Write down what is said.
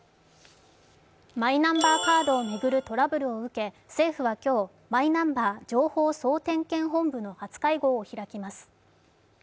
マイナンバーカードを巡るトラブルを受け政府は今日、マイナンバー情報総点検本部の初会合を開きます。